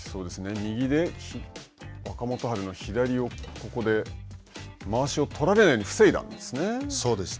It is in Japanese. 右で若元春の左をここでまわしを取られないように防いだんですね。